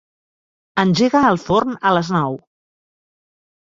Engega el forn a les nou.